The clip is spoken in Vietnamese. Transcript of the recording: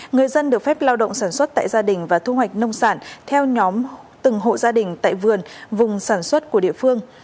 người dân được phép lao động sản xuất tại gia đình và thu hoạch nông sản theo nhóm từng hộ gia đình tại vườn vùng sản xuất của địa phương